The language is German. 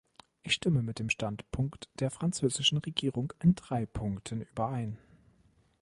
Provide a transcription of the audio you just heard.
Ich stimme mit dem Standpunkt der französischen Regierung in drei Punkten überein.